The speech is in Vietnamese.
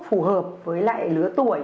phù hợp với lại lứa tuổi